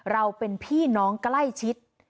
เราเป็นพี่น้องใกล้ชิด